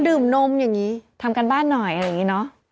ดื่มนมอย่างงี้